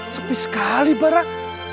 sepis sekali barat